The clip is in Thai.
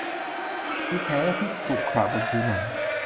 มีแผลที่ขรุขระบนผิวหนัง